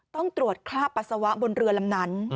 ต้องตรวจคราบปัสสาวะบนเรือลำนั้น